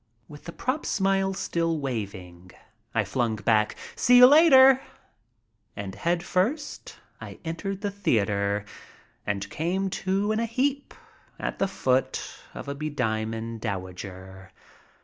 With the "prop" smile still waving, I flung back, "See you later," and, head first, I entered the theater and came to in a heap at the foot of a bediamonded dowager.